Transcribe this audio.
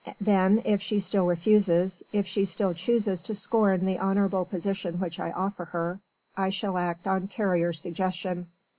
Then if she still refuses, if she still chooses to scorn the honourable position which I offer her, I shall act on Carrier's suggestion.